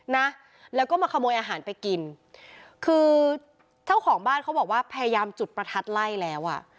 นะแล้วก็มาขโมยอาหารไปกินคือเจ้าของบ้านเขาบอกว่าพยายามจุดประทัดไล่แล้วอ่ะ